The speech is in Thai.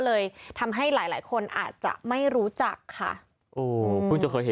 เลยทำให้หลายหลายคนอาจจะไม่รู้จักค่ะโอ้เพิ่งจะเคยเห็น